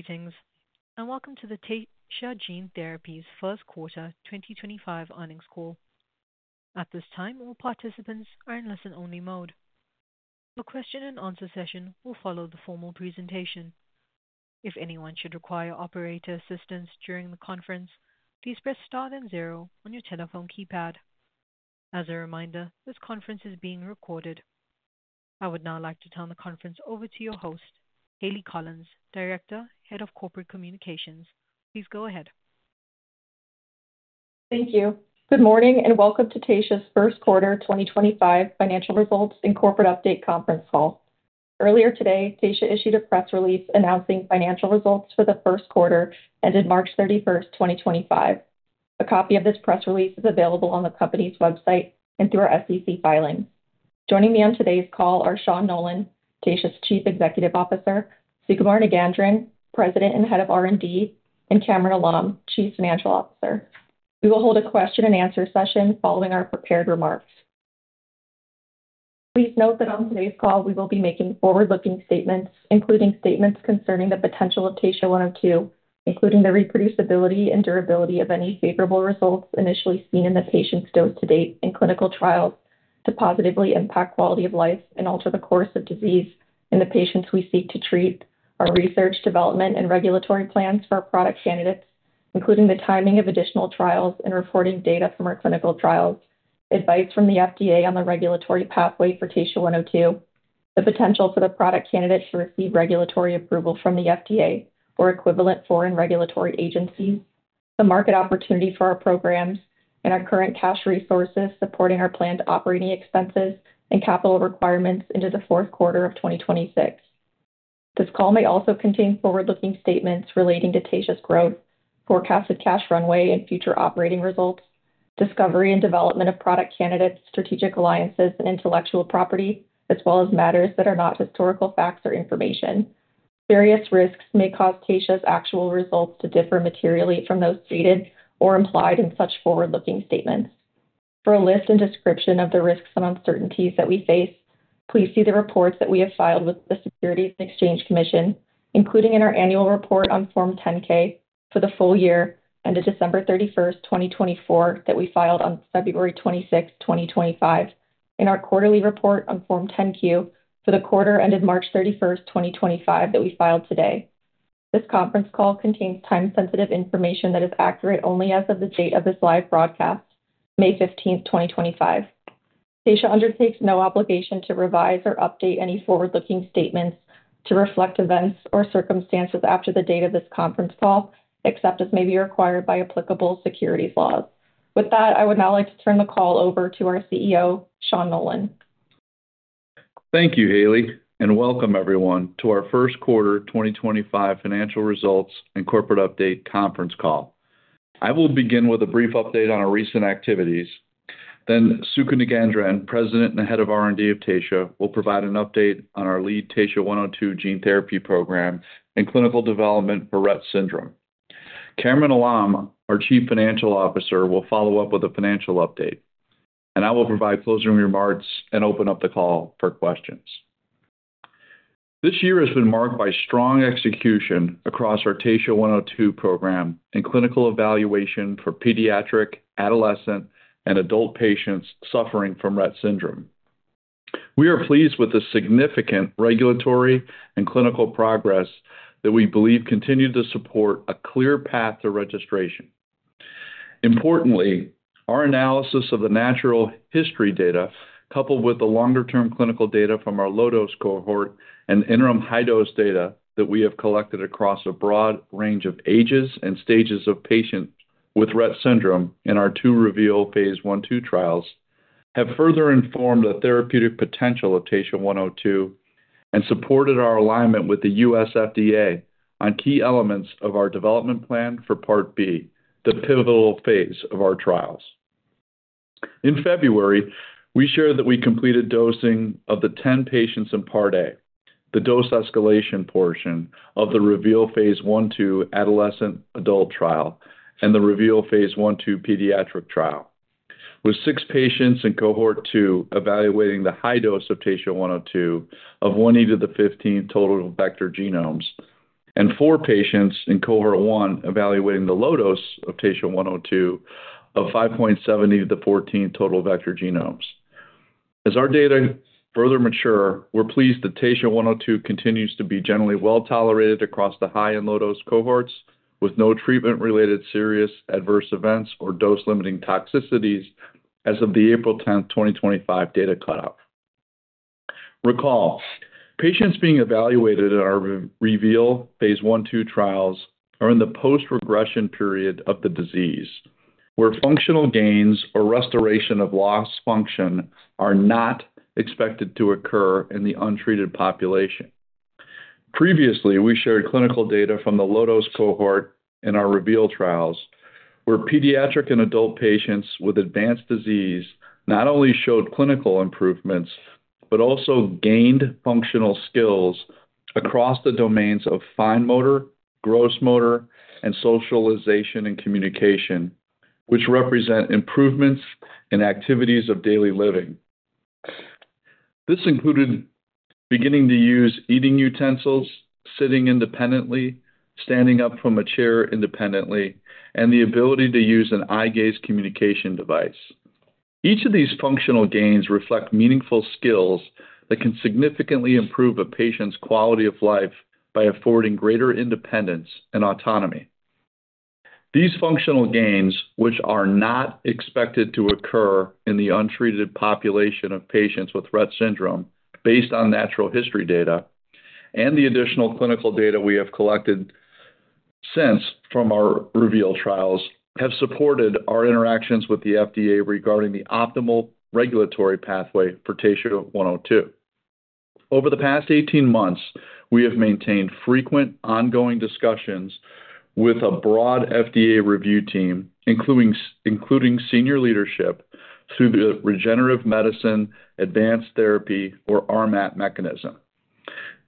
Greetings, and welcome to the Taysha Gene Therapies First Quarter 2025 Earnings Call. At this time, all participants are in listen-only mode. The question-and-answer session will follow the formal presentation. If anyone should require operator assistance during the conference, please press star then zero on your telephone keypad. As a reminder, this conference is being recorded. I would now like to turn the conference over to your host, Hayleigh Collins, Director, Head of Corporate Communications. Please go ahead. Thank you. Good morning, and welcome to Taysha's First Quarter 2025 Financial results and corporate update conference call. Earlier today, Taysha issued a press release announcing financial results for the first quarter ended March 31, 2025. A copy of this press release is available on the company's website and through our SEC filings. Joining me on today's call are Sean Nolan, Taysha's Chief Executive Officer, Sukumar Nagendran, President and Head of R&D, and Kamran Alam, Chief Financial Officer. We will hold a question-and-answer session following our prepared remarks. Please note that on today's call, we will be making forward-looking statements, including statements concerning the potential of Taysha 102, including the reproducibility and durability of any favorable results initially seen in the patients dosed to date in clinical trials to positively impact quality of life and alter the course of disease in the patients we seek to treat. Our research, development, and regulatory plans for our product candidates, including the timing of additional trials and reporting data from our clinical trials. Advice from the FDA on the regulatory pathway for Taysha 102. The potential for the product candidate to receive regulatory approval from the FDA or equivalent foreign regulatory agencies. The market opportunity for our programs. Our current cash resources supporting our planned operating expenses and capital requirements into the fourth quarter of 2026. This call may also contain forward-looking statements relating to Taysha's growth, forecasted cash runway and future operating results, discovery and development of product candidates, strategic alliances, and intellectual property, as well as matters that are not historical facts or information. Various risks may cause Taysha's actual results to differ materially from those stated or implied in such forward-looking statements. For a list and description of the risks and uncertainties that we face, please see the reports that we have filed with the SEC, including in our annual report on Form 10-K for the full year ended December 31, 2024, that we filed on February 26, 2025, and our quarterly report on Form 10-Q for the quarter ended March 31, 2025, that we filed today. This conference call contains time-sensitive information that is accurate only as of the date of this live broadcast, May 15, 2025. Taysha undertakes no obligation to revise or update any forward-looking statements to reflect events or circumstances after the date of this conference call, except as may be required by applicable securities laws. With that, I would now like to turn the call over to our CEO, Sean Nolan. Thank you, Hayleigh, and welcome everyone to our first quarter 2025 financial results and corporate update conference call. I will begin with a brief update on our recent activities. Then Sukumar Nagendran, President and Head of R&D of Taysha, will provide an update on our lead Taysha 102 gene therapy program and clinical development for Rett syndrome. Kamran Alam, our Chief Financial Officer, will follow up with a financial update, and I will provide closing remarks and open up the call for questions. This year has been marked by strong execution across our Taysha 102 program and clinical evaluation for pediatric, adolescent, and adult patients suffering from Rett syndrome. We are pleased with the significant regulatory and clinical progress that we believe continue to support a clear path to registration. Importantly, our analysis of the natural history data, coupled with the longer-term clinical data from our low-dose cohort and interim high-dose data that we have collected across a broad range of ages and stages of patients with Rett syndrome in our two REVEAL phase I, II trials, have further informed the therapeutic potential of Taysha 102 and supported our alignment with the U.S. FDA on key elements of our development plan for part B, the pivotal phase of our trials. In February, we shared that we completed dosing of the 10 patients in part A, the dose escalation portion of the reveal phase I-II adolescent-adult trial and the reveal phase I-II pediatric trial, with six patients in cohort two evaluating the high dose of Taysha 102 of 1.0 x 10^15 total vector genomes and four patients in cohort one evaluating the low dose of Taysha 102 of 5.7 the 14 total vector genomes. As our data further mature, we're pleased that Taysha 102 continues to be generally well tolerated across the high and low-dose cohorts, with no treatment-related serious adverse events or dose-limiting toxicities as of the April 10, 2025, data cutoff. Recall, patients being evaluated in our reveal phase I-II trials are in the post-regression period of the disease, where functional gains or restoration of lost function are not expected to occur in the untreated population. Previously, we shared clinical data from the low-dose cohort in our reveal trials, where pediatric and adult patients with advanced disease not only showed clinical improvements but also gained functional skills across the domains of fine motor, gross motor, and socialization and communication, which represent improvements in activities of daily living. This included beginning to use eating utensils, sitting independently, standing up from a chair independently, and the ability to use an eye gaze communication device. Each of these functional gains reflects meaningful skills that can significantly improve a patient's quality of life by affording greater independence and autonomy. These functional gains, which are not expected to occur in the untreated population of patients with Rett syndrome based on natural history data and the additional clinical data we have collected since from our Reveal trials, have supported our interactions with the FDA regarding the optimal regulatory pathway for Taysha 102. Over the past 18 months, we have maintained frequent ongoing discussions with a broad FDA review team, including senior leadership through the Regenerative Medicine Advanced Therapy, or RMAT, mechanism.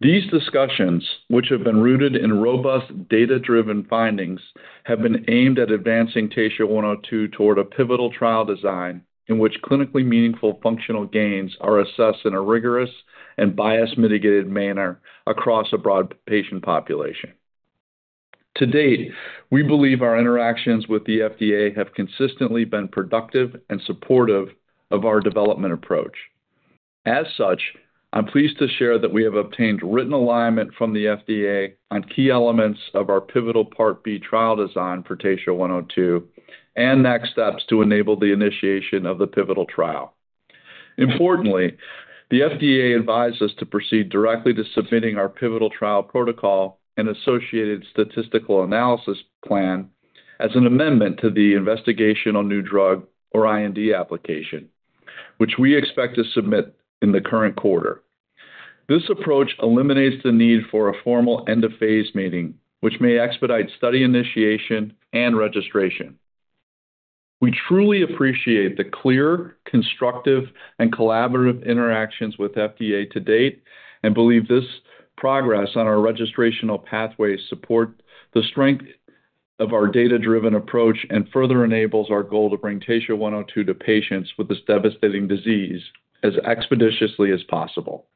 These discussions, which have been rooted in robust data-driven findings, have been aimed at advancing Taysha 102 toward a pivotal trial design in which clinically meaningful functional gains are assessed in a rigorous and bias-mitigated manner across a broad patient population. To date, we believe our interactions with the FDA have consistently been productive and supportive of our development approach. As such, I'm pleased to share that we have obtained written alignment from the FDA on key elements of our pivotal part B trial design for Taysha 102 and next steps to enable the initiation of the pivotal trial. Importantly, the FDA advised us to proceed directly to submitting our pivotal trial protocol and associated statistical analysis plan as an amendment to the Investigational New Drug or IND application, which we expect to submit in the current quarter. This approach eliminates the need for a formal end-of-phase meeting, which may expedite study initiation and registration. We truly appreciate the clear, constructive, and collaborative interactions with FDA to date and believe this progress on our registrational pathways supports the strength of our data-driven approach and further enables our goal to bring Taysha 102 to patients with this devastating disease as expeditiously as possible.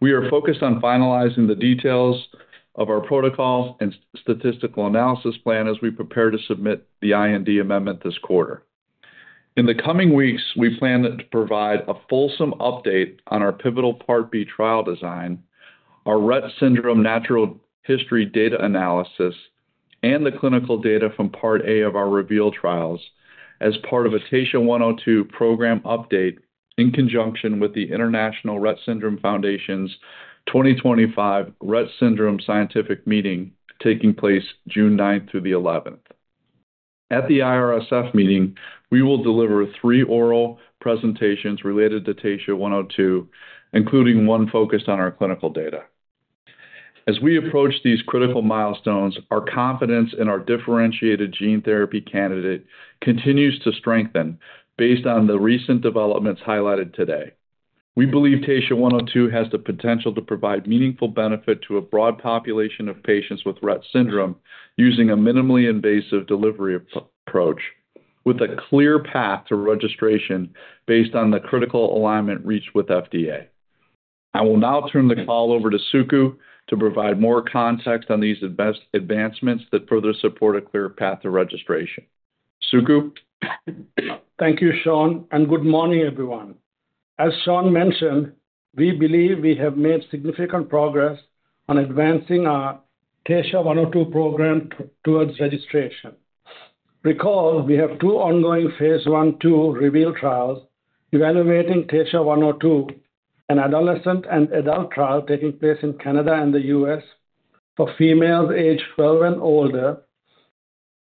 We are focused on finalizing the details of our protocols and statistical analysis plan as we prepare to submit the IND amendment this quarter. In the coming weeks, we plan to provide a fulsome update on our pivotal part B trial design, our Rett syndrome natural history data analysis, and the clinical data from part A of our Reveal trials as part of a Taysha 102 program update in conjunction with the International Rett Syndrome Foundation's 2025 Rett Syndrome Scientific Meeting taking place June 9th through the 11th. At the IRSF meeting, we will deliver three oral presentations related to Taysha 102, including one focused on our clinical data. As we approach these critical milestones, our confidence in our differentiated gene therapy candidate continues to strengthen based on the recent developments highlighted today. We believe Taysha 102 has the potential to provide meaningful benefit to a broad population of patients with Rett syndrome using a minimally invasive delivery approach with a clear path to registration based on the critical alignment reached with FDA. I will now turn the call over to Suku to provide more context on these advancements that further support a clear path to registration. Suku. Thank you, Sean, and good morning, everyone. As Sean mentioned, we believe we have made significant progress on advancing our Taysha 102 program towards registration. Recall, we have two ongoing phase I-II reveal trials evaluating Taysha 102, an adolescent and adult trial taking place in Canada and the U.S. for females aged 12 and older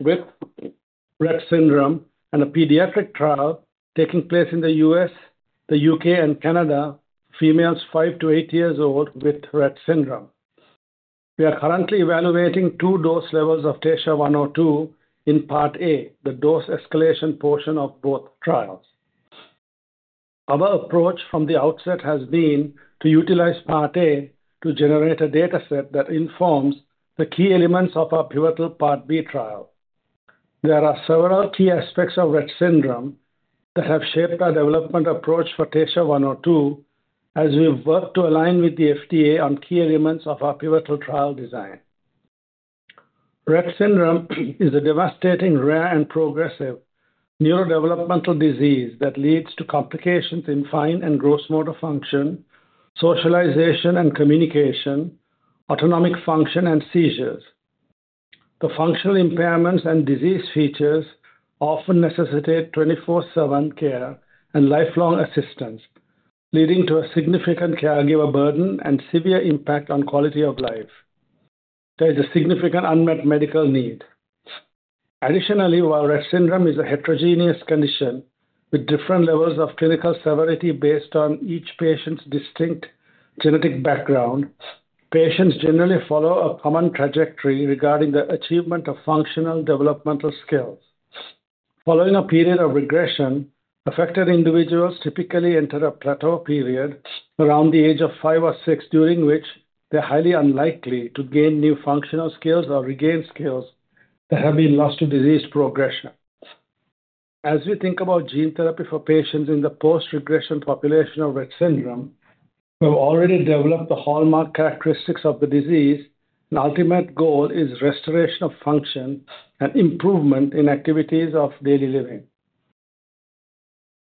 with Rett syndrome, and a pediatric trial taking place in the U.S., the U.K., and Canada, females five to eight years old with Rett syndrome. We are currently evaluating two dose levels of Taysha 102 in part A, the dose escalation portion of both trials. Our approach from the outset has been to utilize part A to generate a dataset that informs the key elements of our pivotal part B trial. There are several key aspects of Rett syndrome that have shaped our development approach for Taysha 102 as we've worked to align with the FDA on key elements of our pivotal trial design. Rett syndrome is a devastating, rare, and progressive neurodevelopmental disease that leads to complications in fine and gross motor function, socialization and communication, autonomic function, and seizures. The functional impairments and disease features often necessitate 24/7 care and lifelong assistance, leading to a significant caregiver burden and severe impact on quality of life. There is a significant unmet medical need. Additionally, while Rett syndrome is a heterogeneous condition with different levels of clinical severity based on each patient's distinct genetic background, patients generally follow a common trajectory regarding the achievement of functional developmental skills. Following a period of regression, affected individuals typically enter a plateau period around the age of five or six, during which they're highly unlikely to gain new functional skills or regain skills that have been lost to disease progression. As we think about gene therapy for patients in the post-regression population of Rett syndrome, we've already developed the hallmark characteristics of the disease. The ultimate goal is restoration of function and improvement in activities of daily living.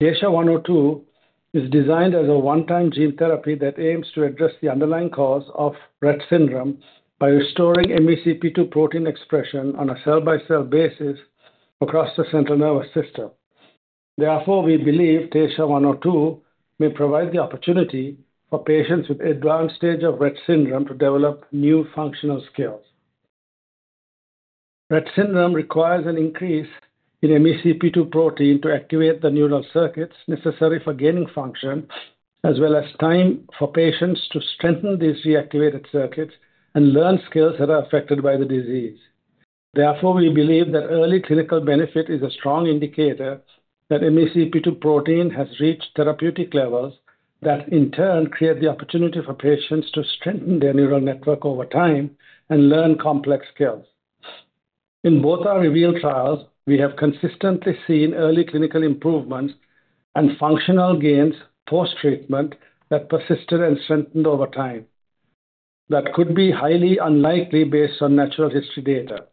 Taysha 102 is designed as a one-time gene therapy that aims to address the underlying cause of Rett syndrome by restoring MECP2 protein expression on a cell-by-cell basis across the central nervous system. Therefore, we believe Taysha 102 may provide the opportunity for patients with the advanced stage of Rett syndrome to develop new functional skills. Rett syndrome requires an increase in MECP2 protein to activate the neural circuits necessary for gaining function, as well as time for patients to strengthen these reactivated circuits and learn skills that are affected by the disease. Therefore, we believe that early clinical benefit is a strong indicator that MECP2 protein has reached therapeutic levels that, in turn, create the opportunity for patients to strengthen their neural network over time and learn complex skills. In both our reveal trials, we have consistently seen early clinical improvements and functional gains post-treatment that persisted and strengthened over time. That could be highly unlikely based on natural history data.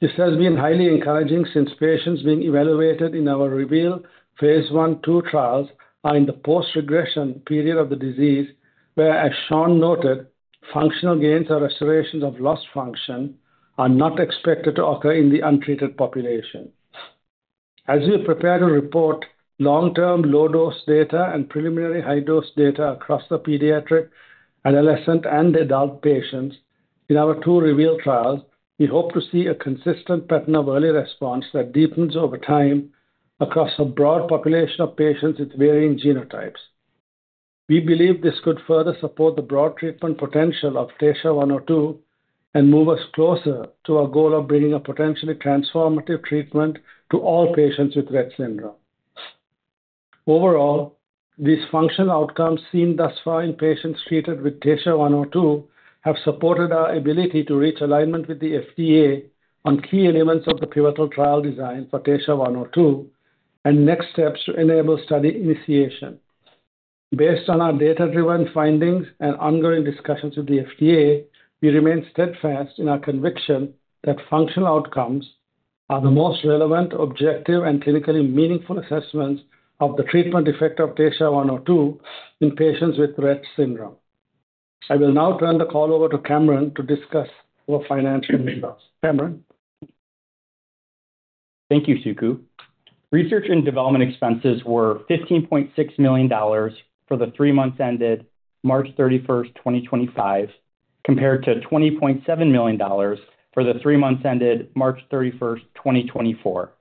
This has been highly encouraging since patients being evaluated in our Reveal phase I-II trials are in the post-regression period of the disease, where, as Sean noted, functional gains or restorations of lost function are not expected to occur in the untreated population. As we prepare to report long-term low-dose data and preliminary high-dose data across the pediatric, adolescent, and adult patients in our two reveal trials, we hope to see a consistent pattern of early response that deepens over time across a broad population of patients with varying genotypes. We believe this could further support the broad treatment potential of Taysha 102 and move us closer to our goal of bringing a potentially transformative treatment to all patients with Rett syndrome. Overall, these functional outcomes seen thus far in patients treated with Taysha 102 have supported our ability to reach alignment with the FDA on key elements of the pivotal trial design for Taysha 102 and next steps to enable study initiation. Based on our data-driven findings and ongoing discussions with the FDA, we remain steadfast in our conviction that functional outcomes are the most relevant, objective, and clinically meaningful assessments of the treatment effect of Taysha 102 in patients with Rett syndrome. I will now turn the call over to Kamran to discuss our financial results. Kamran. Thank you, Suku. Research and development expenses were $15.6 million for the three months ended March 31, 2025, compared to $20.7 million for the three months ended March 31, 2024.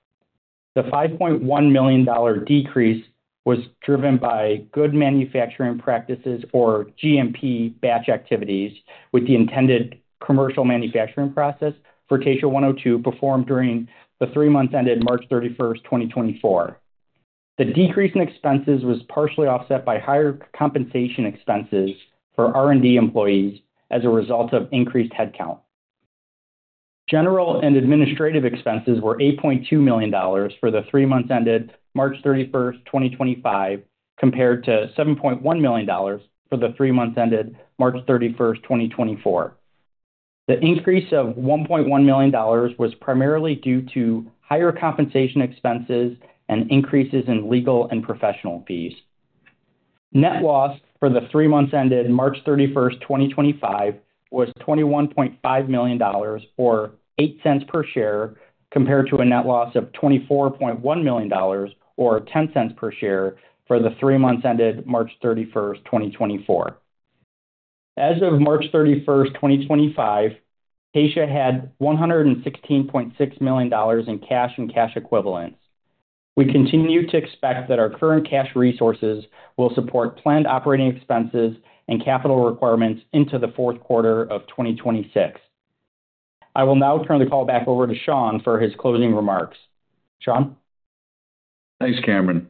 The $5.1 million decrease was driven by good manufacturing practices, or GMP, batch activities, with the intended commercial manufacturing process for Taysha 102 performed during the three months ended March 31, 2024. The decrease in expenses was partially offset by higher compensation expenses for R&D employees as a result of increased headcount. General and administrative expenses were $8.2 million for the three months ended March 31, 2025, compared to $7.1 million for the three months ended March 31, 2024. The increase of $1.1 million was primarily due to higher compensation expenses and increases in legal and professional fees. Net loss for the three months ended March 31, 2025, was $21.5 million, or $0.08 per share, compared to a net loss of $24.1 million, or $0.10 per share, for the three months ended March 31, 2024. As of March 31, 2025, Taysha had $116.6 million in cash and cash equivalents. We continue to expect that our current cash resources will support planned operating expenses and capital requirements into the fourth quarter of 2026. I will now turn the call back over to Sean for his closing remarks. Sean. Thanks, Kamran.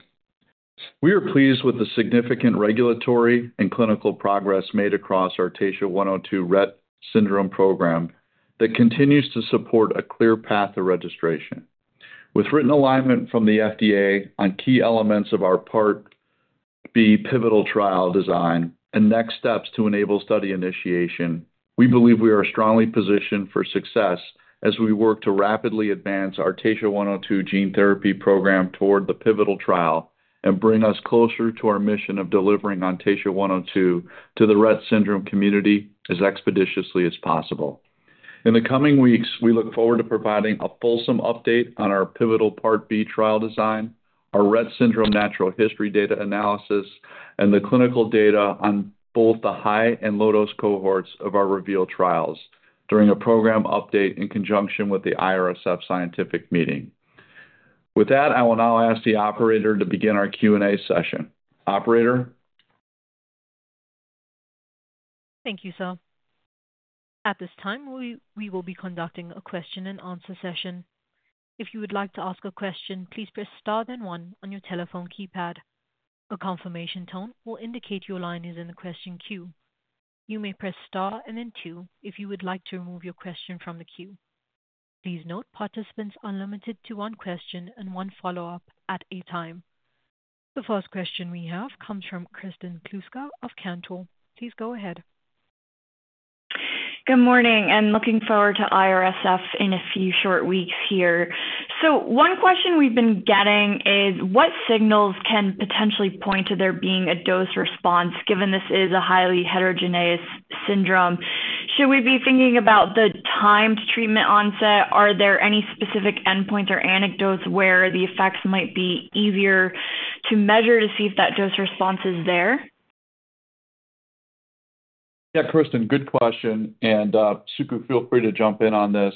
We are pleased with the significant regulatory and clinical progress made across our Taysha 102 Rett syndrome program that continues to support a clear path to registration. With written alignment from the FDA on key elements of our part B pivotal trial design and next steps to enable study initiation, we believe we are strongly positioned for success as we work to rapidly advance our Taysha 102 gene therapy program toward the pivotal trial and bring us closer to our mission of delivering on Taysha 102 to the Rett syndrome community as expeditiously as possible. In the coming weeks, we look forward to providing a fulsome update on our pivotal Part B trial design, our Rett syndrome natural history data analysis, and the clinical data on both the high and low-dose cohorts of our reveal trials during a program update in conjunction with the IRSF scientific meeting. With that, I will now ask the operator to begin our Q&A session. Operator. Thank you, Sean. At this time, we will be conducting a question and answer session. If you would like to ask a question, please press star then one on your telephone keypad. A confirmation tone will indicate your line is in the question queue. You may press star and then two if you would like to remove your question from the queue. Please note participants are limited to one question and one follow-up at a time. The first question we have comes from Kristen Kluska of Cantor. Please go ahead. Good morning. I'm looking forward to IRSF in a few short weeks here. One question we've been getting is what signals can potentially point to there being a dose response given this is a highly heterogeneous syndrome? Should we be thinking about the time to treatment onset? Are there any specific endpoints or anecdotes where the effects might be easier to measure to see if that dose response is there? Yeah, Kristen, good question. Suku, feel free to jump in on this.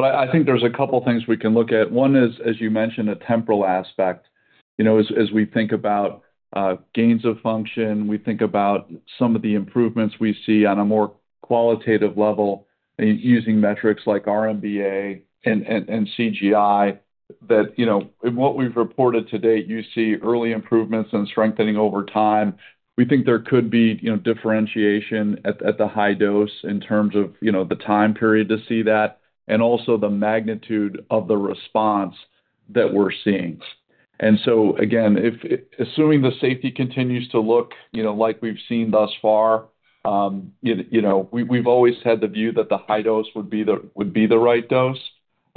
I think there's a couple of things we can look at. One is, as you mentioned, a temporal aspect. As we think about gains of function, we think about some of the improvements we see on a more qualitative level using metrics like RMBA and CGI that in what we've reported to date, you see early improvements and strengthening over time. We think there could be differentiation at the high dose in terms of the time period to see that and also the magnitude of the response that we're seeing. Again, assuming the safety continues to look like we've seen thus far, we've always had the view that the high dose would be the right dose.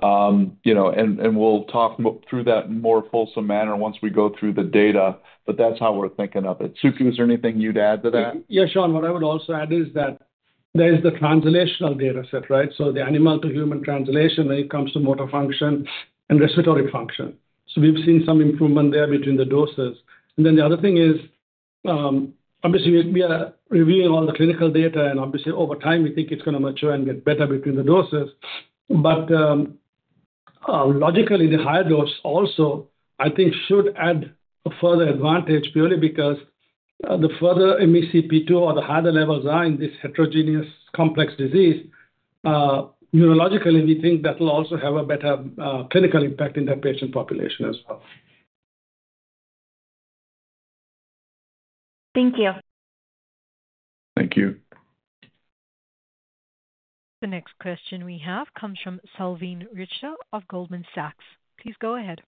We will talk through that in more fulsome manner once we go through the data, but that's how we're thinking of it. Suku is there anything you'd add to that? Yeah, Sean, what I would also add is that there is the translational dataset, right? The animal-to-human translation when it comes to motor function and respiratory function, we've seen some improvement there between the doses. The other thing is, obviously, we are reviewing all the clinical data, and obviously, over time, we think it's going to mature and get better between the doses. Logically, the higher dose also, I think, should add a further advantage purely because the further MECP2 or the higher the levels are in this heterogeneous complex disease, neurologically, we think that will also have a better clinical impact in that patient population as well. Thank you. The next question we have comes from Salveen Richter of Goldman Sachs. Please go ahead.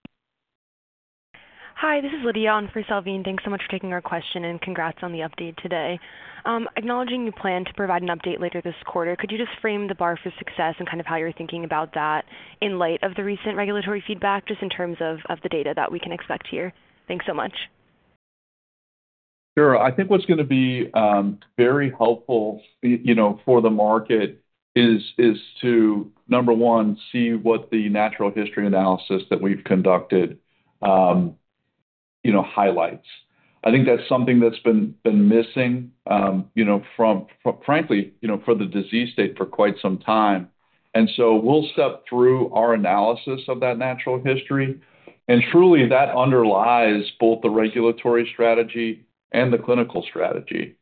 Hi, this is Lydia on for Salveen. Thanks so much for taking our question and congrats on the update today. Acknowledging your plan to provide an update later this quarter, could you just frame the bar for success and kind of how you're thinking about that in light of the recent regulatory feedback just in terms of the data that we can expect here? Thanks so much. Sure. I think what's going to be very helpful for the market is to, number one, see what the natural history analysis that we've conducted highlights. I think that's something that's been missing, frankly, for the disease state for quite some time. We'll step through our analysis of that natural history. Truly, that underlies both the regulatory strategy and the clinical strategy.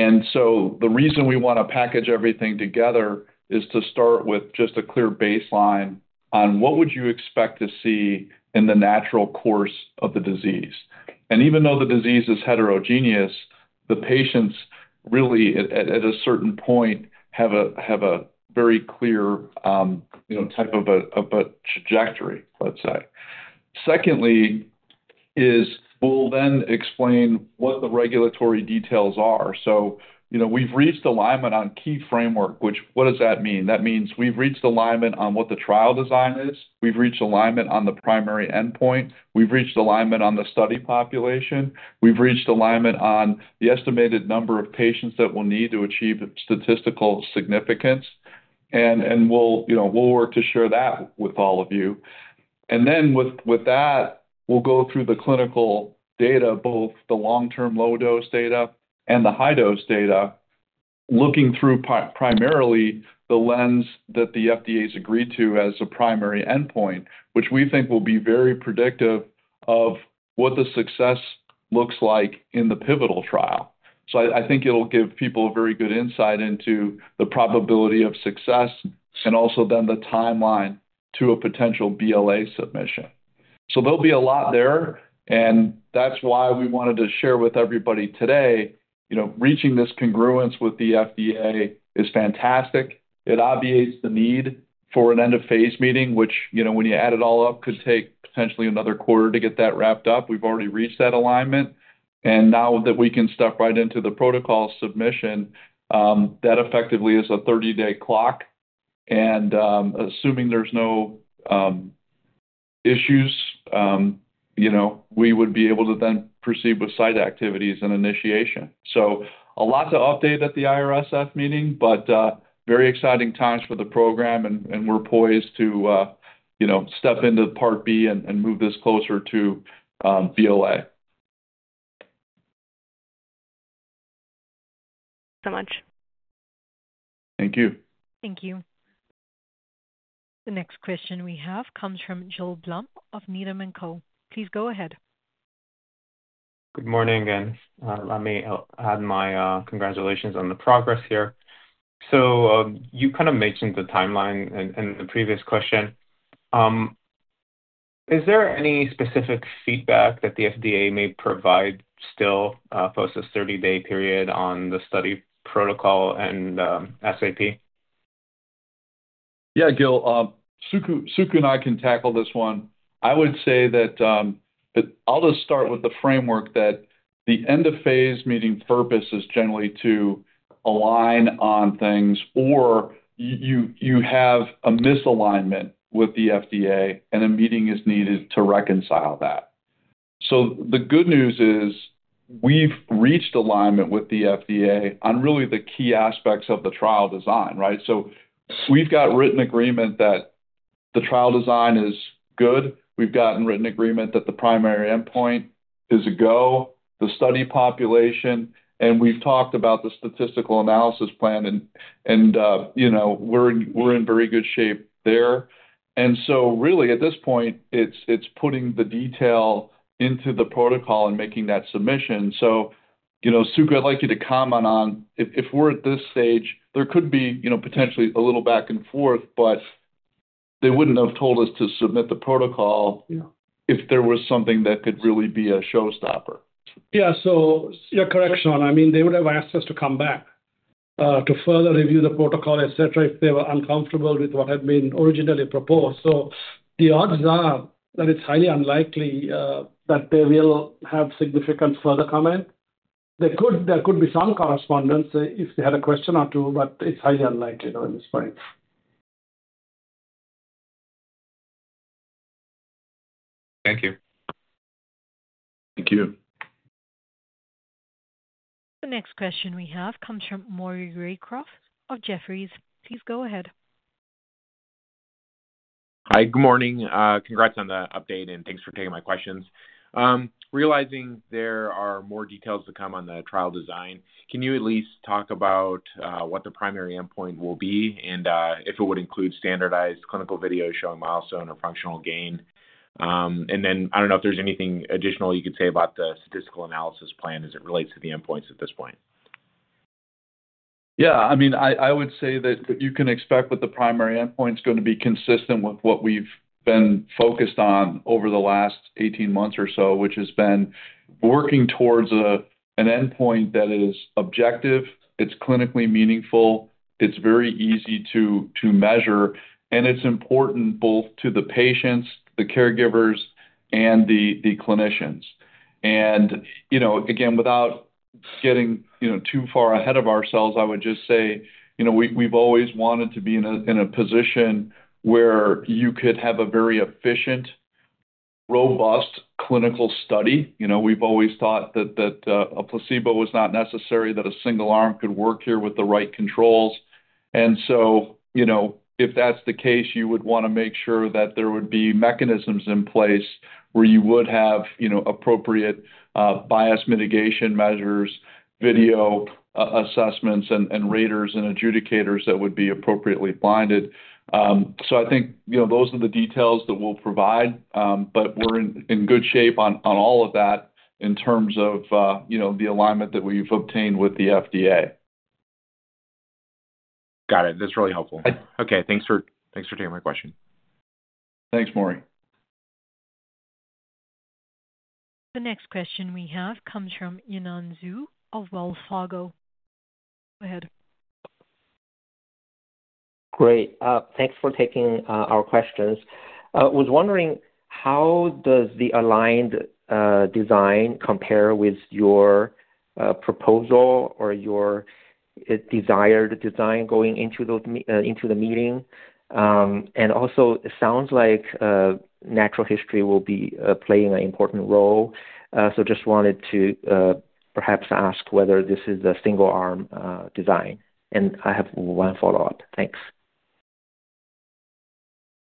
The reason we want to package everything together is to start with just a clear baseline on what would you expect to see in the natural course of the disease. Even though the disease is heterogeneous, the patients really, at a certain point, have a very clear type of a trajectory, let's say. Secondly, we'll then explain what the regulatory details are. We've reached alignment on key framework, which, what does that mean? That means we've reached alignment on what the trial design is. We've reached alignment on the primary endpoint. We've reached alignment on the study population. We've reached alignment on the estimated number of patients that we'll need to achieve statistical significance. We'll work to share that with all of you. With that, we'll go through the clinical data, both the long-term low-dose data and the high-dose data, looking through primarily the lens that the FDA has agreed to as a primary endpoint, which we think will be very predictive of what the success looks like in the pivotal trial. I think it'll give people a very good insight into the probability of success and also then the timeline to a potential BLA submission. There'll be a lot there. That's why we wanted to share with everybody today. Reaching this congruence with the FDA is fantastic. It obviates the need for an end-of-phase meeting, which when you add it all up, could take potentially another quarter to get that wrapped up. We've already reached that alignment. Now that we can step right into the protocol submission, that effectively is a 30-day clock. Assuming there's no issues, we would be able to then proceed with site activities and initiation. A lot to update at the IRSF meeting, but very exciting times for the program. We're poised to step into part B and move this closer to BLA. Thanks so much. Thank you. Thank you. The next question we have comes from Gil Blum of Needham and Company. Please go ahead. Good morning again. Let me add my congratulations on the progress here. You kind of mentioned the timeline in the previous question. Is there any specific feedback that the FDA may provide still post this 30-day period on the study protocol and SAP? Yeah, Gil. Suku and I can tackle this one. I would say that I'll just start with the framework that the end-of-phase meeting purpose is generally to align on things or you have a misalignment with the FDA and a meeting is needed to reconcile that. The good news is we've reached alignment with the FDA on really the key aspects of the trial design, right? We've got written agreement that the trial design is good. We've gotten written agreement that the primary endpoint is a go, the study population. We've talked about the statistical analysis plan. We're in very good shape there. At this point, it's putting the detail into the protocol and making that submission. Suku, I'd like you to comment on if we're at this stage, there could be potentially a little back and forth, but they wouldn't have told us to submit the protocol if there was something that could really be a showstopper. Yeah. Your correction, Sean, I mean, they would have asked us to come back to further review the protocol, etc., if they were uncomfortable with what had been originally proposed. The odds are that it's highly unlikely that they will have significant further comment. There could be some correspondence if they had a question or two, but it's highly unlikely at this point. Thank you. Thank you. The next question we have comes from Maury Raycroft of Jefferies. Please go ahead. Hi, good morning. Congrats on the update and thanks for taking my questions. Realizing there are more details to come on the trial design, can you at least talk about what the primary endpoint will be and if it would include standardized clinical video showing milestone or functional gain? I don't know if there's anything additional you could say about the statistical analysis plan as it relates to the endpoints at this point. Yeah. I mean, I would say that you can expect that the primary endpoint is going to be consistent with what we've been focused on over the last 18 months or so, which has been working towards an endpoint that is objective. It's clinically meaningful. It's very easy to measure. And it's important both to the patients, the caregivers, and the clinicians. Again, without getting too far ahead of ourselves, I would just say we've always wanted to be in a position where you could have a very efficient, robust clinical study. We've always thought that a placebo was not necessary, that a single arm could work here with the right controls. If that's the case, you would want to make sure that there would be mechanisms in place where you would have appropriate bias mitigation measures, video assessments, and raters and adjudicators that would be appropriately blinded. I think those are the details that we'll provide. We're in good shape on all of that in terms of the alignment that we've obtained with the FDA. Got it. That's really helpful. Okay. Thanks for taking my question. Thanks, Maury. The next question we have comes from Yanan Zhu of Wells Fargo. Go ahead. Great. Thanks for taking our questions. I was wondering how does the aligned design compare with your proposal or your desired design going into the meeting? Also, it sounds like natural history will be playing an important role. Just wanted to perhaps ask whether this is a single-arm design. I have one follow-up. Thanks.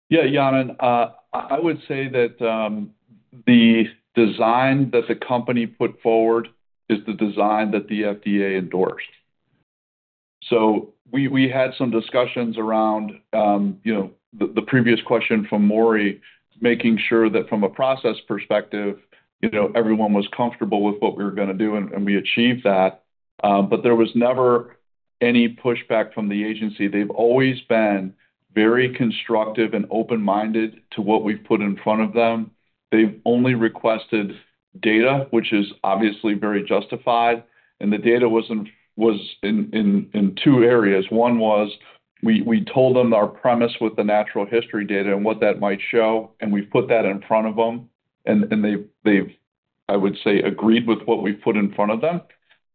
Yeah, Yan. I would say that the design that the company put forward is the design that the FDA endorsed. We had some discussions around the previous question from Maury, making sure that from a process perspective, everyone was comfortable with what we were going to do, and we achieved that. There was never any pushback from the agency. They've always been very constructive and open-minded to what we've put in front of them. They've only requested data, which is obviously very justified. The data was in two areas. One was we told them our premise with the natural history data and what that might show, and we've put that in front of them. They've, I would say, agreed with what we've put in front of them.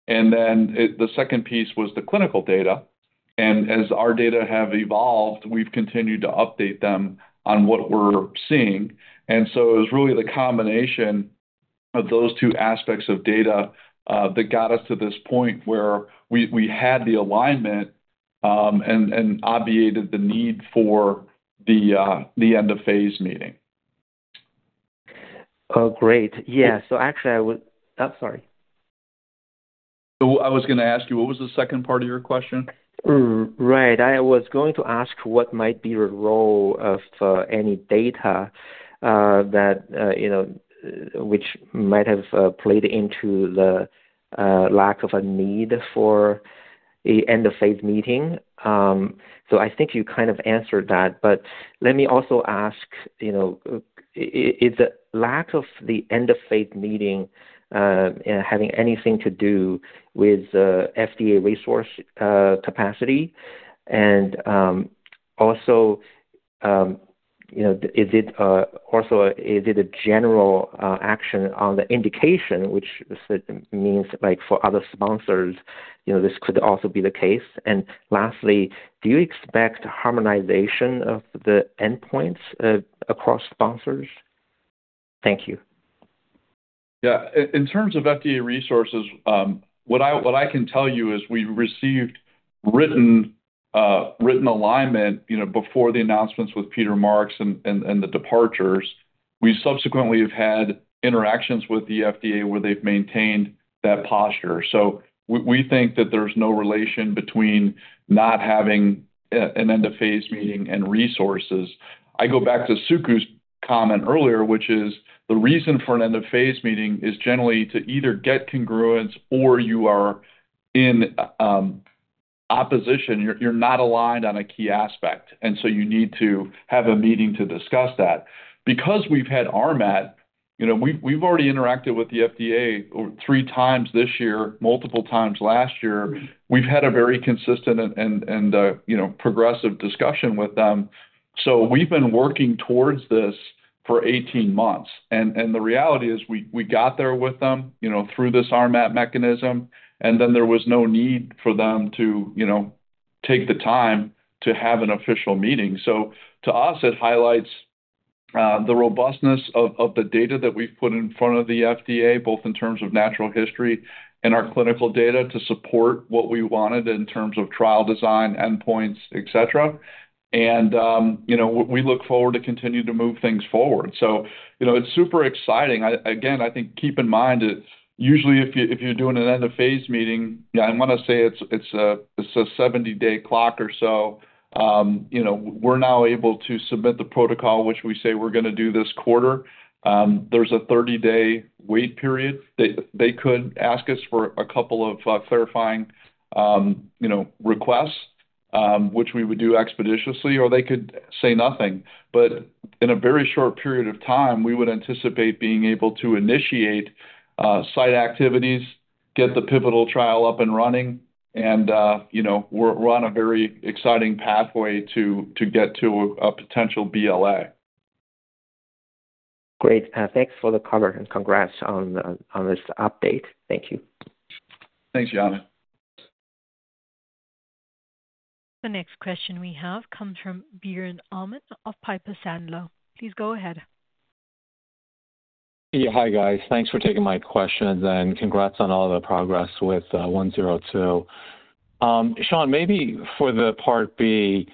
The second piece was the clinical data. As our data have evolved, we've continued to update them on what we're seeing. It was really the combination of those two aspects of data that got us to this point where we had the alignment and obviated the need for the end-of-phase meeting. Oh, great. Yeah. Actually, I would—oh, sorry. I was going to ask you, what was the second part of your question? Right. I was going to ask what might be the role of any data that might have played into the lack of a need for an end-of-phase meeting. I think you kind of answered that. Let me also ask, is the lack of the end-of-phase meeting having anything to do with FDA resource capacity? Also, is it a general action on the indication, which means for other sponsors, this could also be the case? Lastly, do you expect harmonization of the endpoints across sponsors? Thank you. Yeah. In terms of FDA resources, what I can tell you is we've received written alignment before the announcements with Peter Marks and the departures. We subsequently have had interactions with the FDA where they've maintained that posture. We think that there's no relation between not having an end-of-phase meeting and resources. I go back to Suku comment earlier, which is the reason for an end-of-phase meeting is generally to either get congruence or you are in opposition. You're not aligned on a key aspect. You need to have a meeting to discuss that. Because we've had RMAT, we've already interacted with the FDA three times this year, multiple times last year. We've had a very consistent and progressive discussion with them. We've been working towards this for 18 months. The reality is we got there with them through this RMAT mechanism. There was no need for them to take the time to have an official meeting. To us, it highlights the robustness of the data that we have put in front of the FDA, both in terms of natural history and our clinical data to support what we wanted in terms of trial design, endpoints, etc. We look forward to continuing to move things forward. It is super exciting. Again, I think keep in mind that usually if you are doing an end-of-phase meeting, I want to say it is a 70-day clock or so. We are now able to submit the protocol, which we say we are going to do this quarter. There is a 30-day wait period. They could ask us for a couple of clarifying requests, which we would do expeditiously, or they could say nothing. In a very short period of time, we would anticipate being able to initiate site activities, get the pivotal trial up and running, and we're on a very exciting pathway to get to a potential BLA. Great. Thanks for the cover and congrats on this update. Thank you. Thanks, Yanan. The next question we have comes from Biren Amin of Piper Sandler. Please go ahead. Yeah. Hi, guys. Thanks for taking my questions. And congrats on all the progress with 102. Sean, maybe for the part B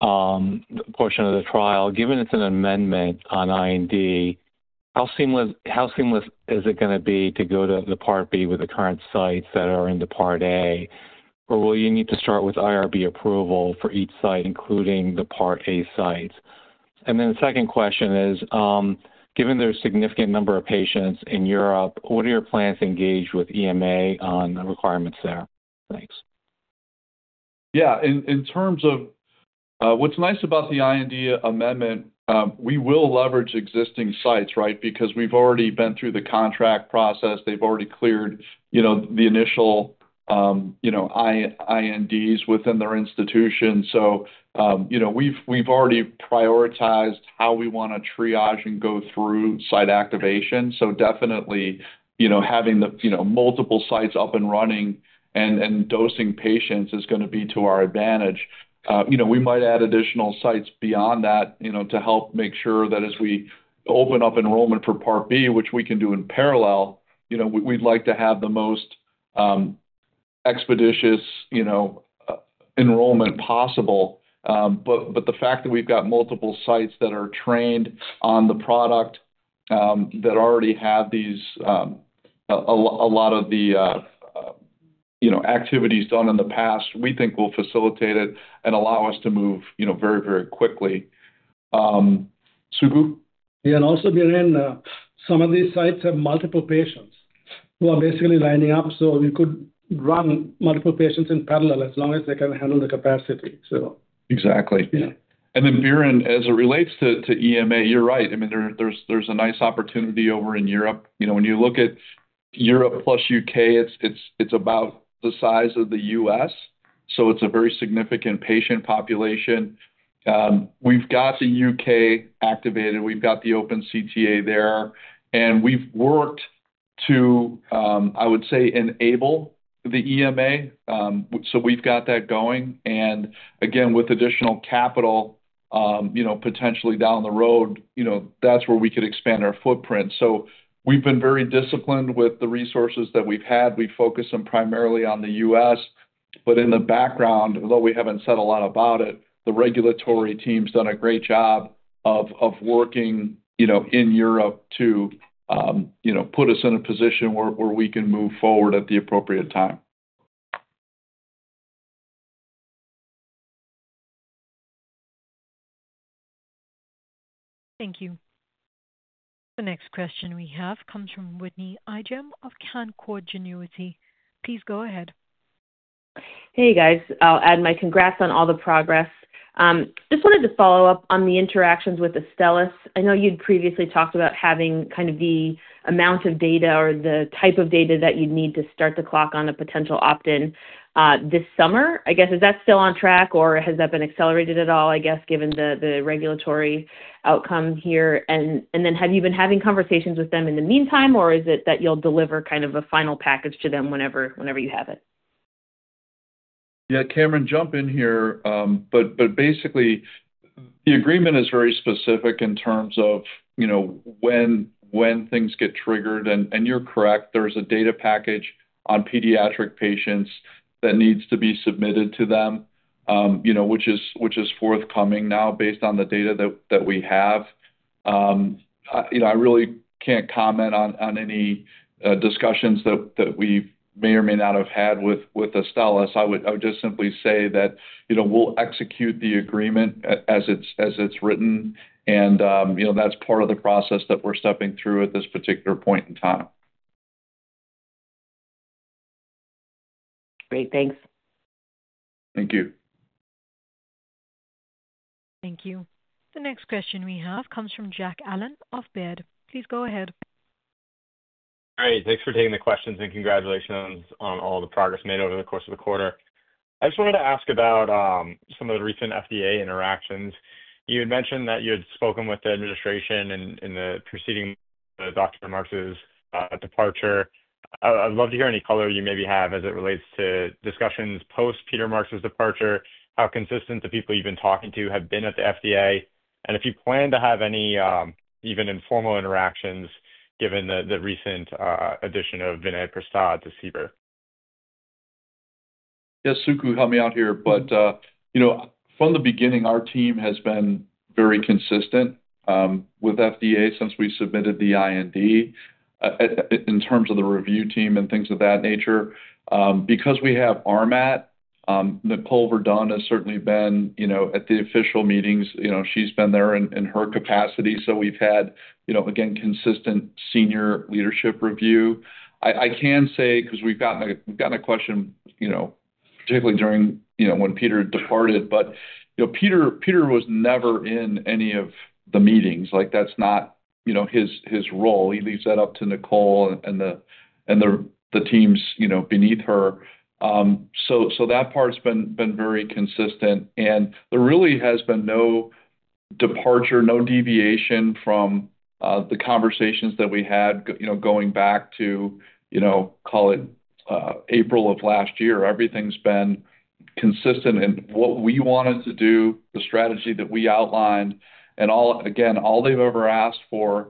portion of the trial, given it's an amendment on IND, how seamless is it going to be to go to the part B with the current sites that are in the part A? Or will you need to start with IRB approval for each site, including the part A sites? The second question is, given there's a significant number of patients in Europe, what are your plans to engage with EMA on requirements there? Thanks. Yeah. In terms of what's nice about the IND amendment, we will leverage existing sites, right, because we've already been through the contract process. They've already cleared the initial INDs within their institution. We've already prioritized how we want to triage and go through site activation. Definitely having multiple sites up and running and dosing patients is going to be to our advantage. We might add additional sites beyond that to help make sure that as we open up enrollment for part B, which we can do in parallel, we'd like to have the most expeditious enrollment possible. The fact that we've got multiple sites that are trained on the product, that already have a lot of the activities done in the past, we think will facilitate it and allow us to move very, very quickly. Suku? Yeah. Also, Biren, some of these sites have multiple patients who are basically lining up. We could run multiple patients in parallel as long as they can handle the capacity. Exactly. Biren, as it relates to EMA, you're right. I mean, there's a nice opportunity over in Europe. When you look at Europe plus U.K., it's about the size of the U.S. It is a very significant patient population. We've got the U.K. activated. We've got the open CTA there. We've worked to, I would say, enable the EMA. We've got that going. Again, with additional capital potentially down the road, that's where we could expand our footprint. We have been very disciplined with the resources that we've had. We focus primarily on the U.S. In the background, although we haven't said a lot about it, the regulatory team's done a great job of working in Europe to put us in a position where we can move forward at the appropriate time. Thank you. The next question we have comes from Whitney Ijem of Canaccord Genuity. Please go ahead. Hey, guys. I'll add my congrats on all the progress. Just wanted to follow up on the interactions with Astellas. I know you'd previously talked about having kind of the amount of data or the type of data that you'd need to start the clock on a potential opt-in this summer. I guess, is that still on track, or has that been accelerated at all, I guess, given the regulatory outcome here? And then have you been having conversations with them in the meantime, or is it that you'll deliver kind of a final package to them whenever you have it? Yeah. Kamran, jump in here. Basically, the agreement is very specific in terms of when things get triggered. You're correct. There's a data package on pediatric patients that needs to be submitted to them, which is forthcoming now based on the data that we have. I really can't comment on any discussions that we may or may not have had with Astellas. I would just simply say that we'll execute the agreement as it's written. That's part of the process that we're stepping through at this particular point in time. Great. Thanks. Thank you. Thank you. The next question we have comes from Jack Allen of Baird. Please go ahead. Great. Thanks for taking the questions and congratulations on all the progress made over the course of the quarter. I just wanted to ask about some of the recent FDA interactions. You had mentioned that you had spoken with the administration in the preceding Dr. Marks' departure. I'd love to hear any color you maybe have as it relates to discussions post-Peter Marks' departure, how consistent the people you've been talking to have been at the FDA, and if you plan to have any even informal interactions given the recent addition of Vignan Prasad to Seaber. Yeah. Suku, help me out here. From the beginning, our team has been very consistent with FDA since we submitted the IND in terms of the review team and things of that nature. Because we have RMAT, Nicole Verdon has certainly been at the official meetings. She's been there in her capacity. We've had, again, consistent senior leadership review. I can say, because we've gotten a question particularly during when Peter departed, but Peter was never in any of the meetings. That's not his role. He leaves that up to Nicole and the teams beneath her. That part's been very consistent. There really has been no departure, no deviation from the conversations that we had going back to, call it, April of last year. Everything's been consistent in what we wanted to do, the strategy that we outlined. Again, all they've ever asked for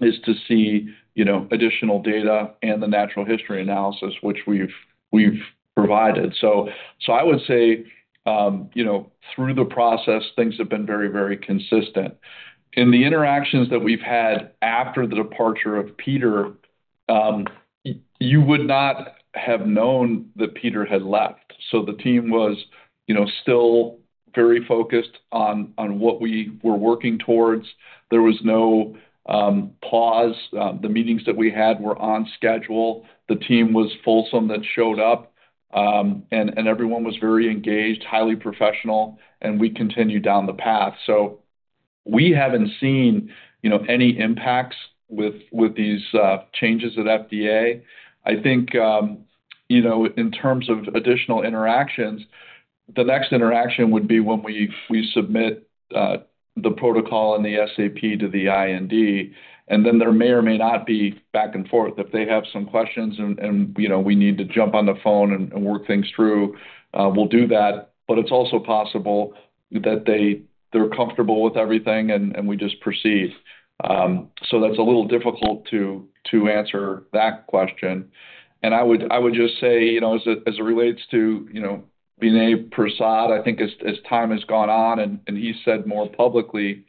is to see additional data and the natural history analysis, which we've provided. I would say through the process, things have been very, very consistent. In the interactions that we've had after the departure of Peter, you would not have known that Peter had left. The team was still very focused on what we were working towards. There was no pause. The meetings that we had were on schedule. The team was fulsome that showed up. Everyone was very engaged, highly professional. We continued down the path. We haven't seen any impacts with these changes at FDA. I think in terms of additional interactions, the next interaction would be when we submit the protocol and the SAP to the IND. There may or may not be back and forth. If they have some questions and we need to jump on the phone and work things through, we'll do that. It's also possible that they're comfortable with everything and we just proceed. That's a little difficult to answer that question. I would just say, as it relates to Vignan Prasad, I think as time has gone on, and he said more publicly,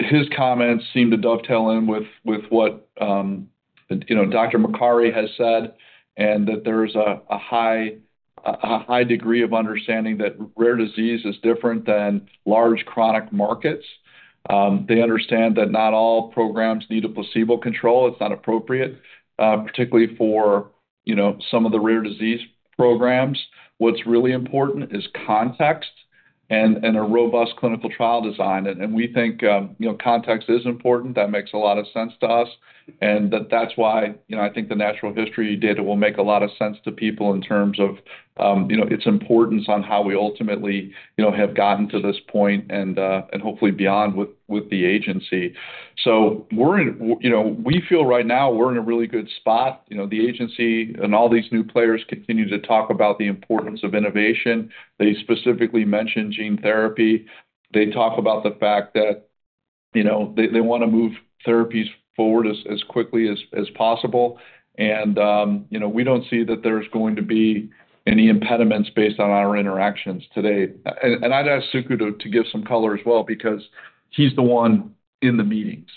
his comments seem to dovetail in with what Dr. Makari has said and that there's a high degree of understanding that rare disease is different than large chronic markets. They understand that not all programs need a placebo control. It's not appropriate, particularly for some of the rare disease programs. What's really important is context and a robust clinical trial design. We think context is important. That makes a lot of sense to us. That's why I think the natural history data will make a lot of sense to people in terms of its importance on how we ultimately have gotten to this point and hopefully beyond with the agency. We feel right now we're in a really good spot. The agency and all these new players continue to talk about the importance of innovation. They specifically mentioned gene therapy. They talk about the fact that they want to move therapies forward as quickly as possible. We don't see that there's going to be any impediments based on our interactions today. I'd ask Suku to give some color as well because he's the one in the meetings.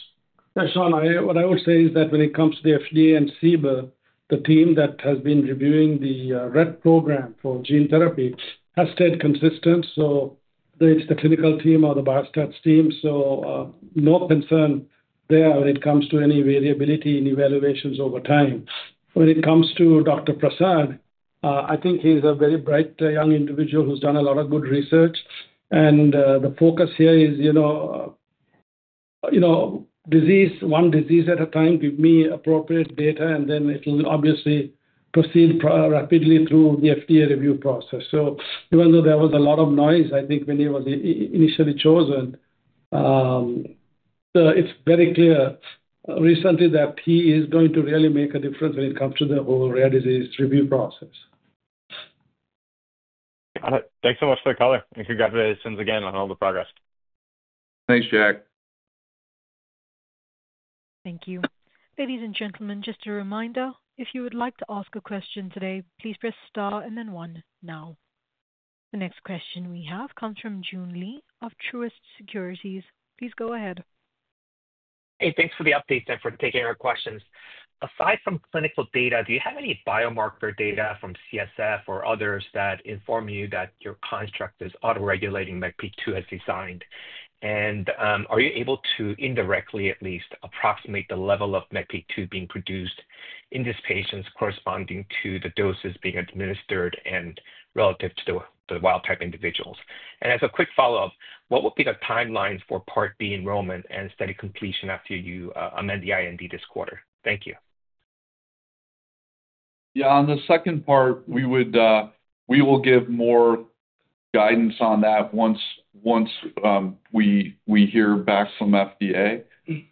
Yeah. Sean, what I would say is that when it comes to the FDA and SIBA, the team that has been reviewing the Rett program for gene therapy has stayed consistent. It's the clinical team or the biostats team. No concern there when it comes to any variability in evaluations over time. When it comes to Dr. Prasad, I think he's a very bright young individual who's done a lot of good research. The focus here is one disease at a time, give me appropriate data, and then it will obviously proceed rapidly through the FDA review process. Even though there was a lot of noise, I think when he was initially chosen, it's very clear recently that he is going to really make a difference when it comes to the whole rare disease review process. Got it. Thanks so much for the color. Congratulations again on all the progress. Thanks, Jack. Thank you. Ladies and gentlemen, just a reminder, if you would like to ask a question today, please press star and then one now. The next question we have comes from Joon Lee of Truist Securities. Please go ahead. Hey, thanks for the updates and for taking our questions. Aside from clinical data, do you have any biomarker data from CSF or others that inform you that your construct is autoregulating MECP2 as designed? Are you able to indirectly at least approximate the level of MECP2 being produced in this patient's corresponding to the doses being administered and relative to the wild-type individuals? As a quick follow-up, what will be the timelines for part B enrollment and study completion after you amend the IND this quarter? Thank you. Yeah. On the second part, we will give more guidance on that once we hear back from FDA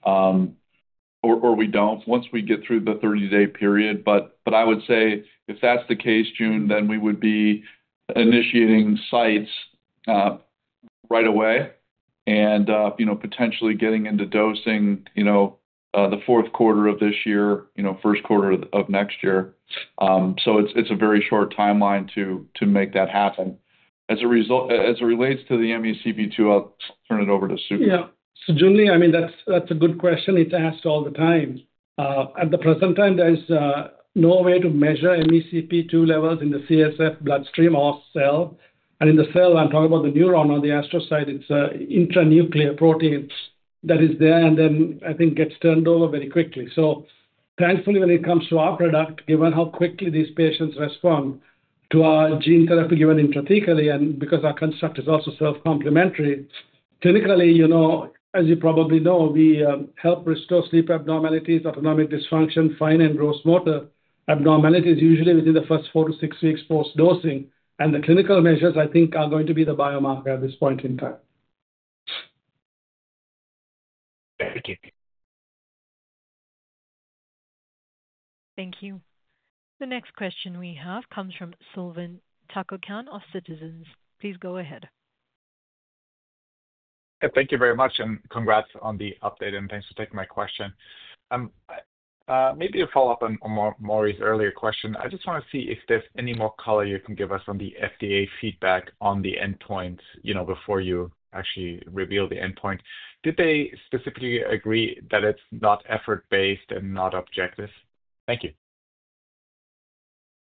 or we do not, once we get through the 30-day period. I would say if that is the case, June, then we would be initiating sites right away and potentially getting into dosing the fourth quarter of this year, first quarter of next year. It's a very short timeline to make that happen. As it relates to the MECP2, I'll turn it over to Suku. Yeah. June, I mean, that's a good question. It's asked all the time. At the present time, there's no way to measure MECP2 levels in the CSF, bloodstream, or cell. And in the cell, I'm talking about the neuron or the astrocytes. It's an intranuclear protein that is there and then, I think, gets turned over very quickly. Thankfully, when it comes to our product, given how quickly these patients respond to our gene therapy given intrathecally and because our construct is also self-complementary, clinically, as you probably know, we help restore sleep abnormalities, autonomic dysfunction, fine and gross motor abnormalities usually within the first four to six weeks post-dosing. The clinical measures, I think, are going to be the biomarker at this point in time. Thank you. Thank you. The next question we have comes from Silvan Türkcan of Citizens. Please go ahead. Thank you very much. And congrats on the update. And thanks for taking my question. Maybe a follow-up on Maury's earlier question. I just want to see if there's any more color you can give us on the FDA feedback on the endpoints before you actually reveal the endpoint. Did they specifically agree that it's not effort-based and not objective? Thank you.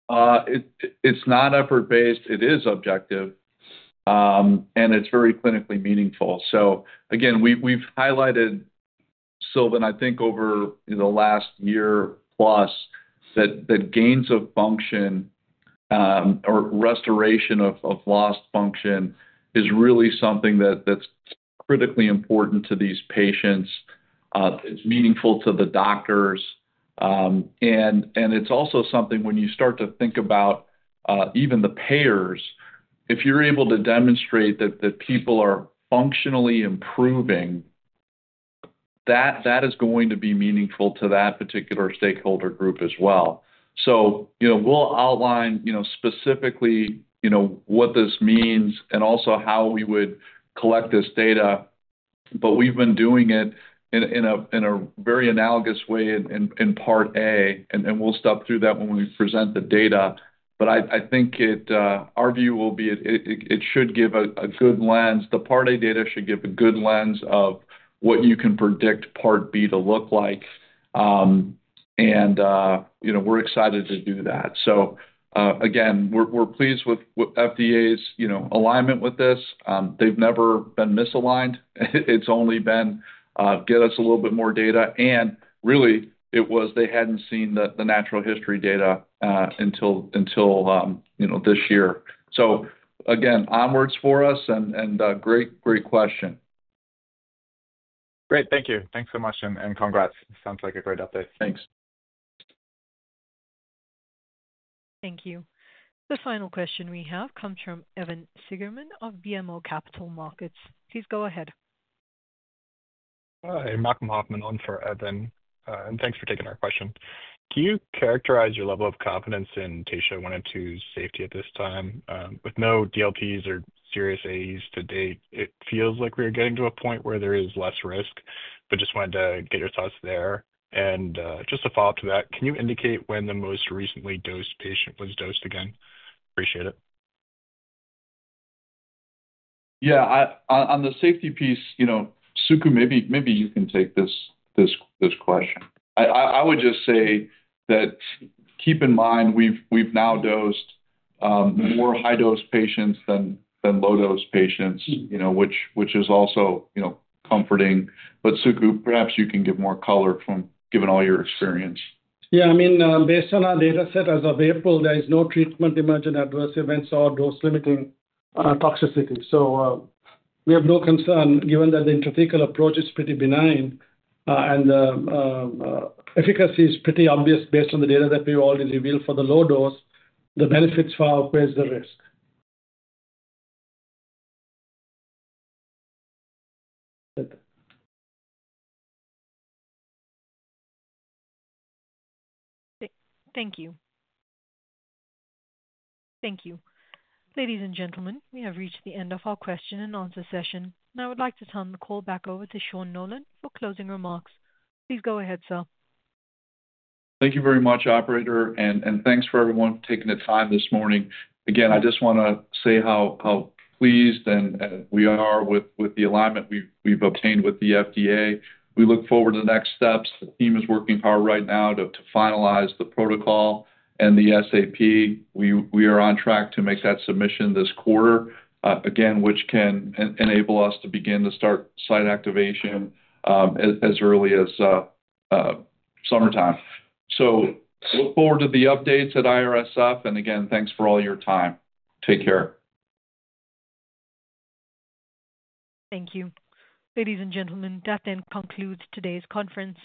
It's not effort-based. It is objective. And it's very clinically meaningful. Again, we've highlighted, Silvan, I think over the last year plus that gains of function or restoration of lost function is really something that's critically important to these patients. It's meaningful to the doctors. It's also something when you start to think about even the payers, if you're able to demonstrate that people are functionally improving, that is going to be meaningful to that particular stakeholder group as well. We will outline specifically what this means and also how we would collect this data. We've been doing it in a very analogous way in part A. We will step through that when we present the data. I think our view will be it should give a good lens. The part A data should give a good lens of what you can predict part B to look like. We're excited to do that. Again, we're pleased with FDA's alignment with this. They've never been misaligned. It's only been, "Get us a little bit more data." Really, it was they hadn't seen the natural history data until this year. Again, onwards for us. Great question. Great. Thank you. Thanks so much. Congrats. Sounds like a great update. Thanks. Thank you. The final question we have comes from Evan Seigerman of BMO Capital Markets. Please go ahead. Hi. Malcolm Hoffman on for Evan. Thanks for taking our question. Can you characterize your level of confidence in Taysha 102's safety at this time? With no DLTs or serious AEs to date, it feels like we are getting to a point where there is less risk, but just wanted to get your thoughts there. Just a follow-up to that, can you indicate when the most recently dosed patient was dosed again? Appreciate it. Yeah. On the safety piece, Suku, maybe you can take this question. I would just say that keep in mind we've now dosed more high-dose patients than low-dose patients, which is also comforting. But Suku, perhaps you can give more color from given all your experience. Yeah. I mean, based on our data set as of April, there is no treatment-emergent adverse events or dose-limiting toxicity. So we have no concern given that the intrathecal approach is pretty benign and the efficacy is pretty obvious based on the data that we've already revealed for the low dose, the benefits far outweighs the risk. Thank you. Thank you. Ladies and gentlemen, we have reached the end of our question and answer session. Now I would like to turn the call back over to Sean Nolan for closing remarks. Please go ahead, sir. Thank you very much, operator. And thanks for everyone taking the time this morning. Again, I just want to say how pleased we are with the alignment we've obtained with the FDA. We look forward to the next steps. The team is working hard right now to finalize the protocol and the SAP. We are on track to make that submission this quarter, again, which can enable us to begin to start site activation as early as summertime. Look forward to the updates at IRSF. Again, thanks for all your time. Take care. Thank you. Ladies and gentlemen, that then concludes today's conference.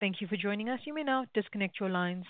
Thank you for joining us. You may now disconnect your lines.